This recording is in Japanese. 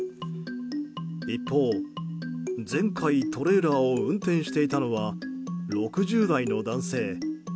一方、前回トレーラーを運転していたのは６０代の男性。